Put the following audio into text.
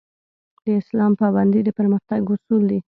د اسلام پابندي د پرمختګ اصول دي